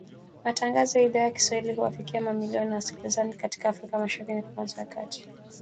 Matangazo ya Idhaa ya Kiswahili huwafikia mamilioni ya wasikilizaji katika Afrika Mashariki na Afrika ya kati Pamoja.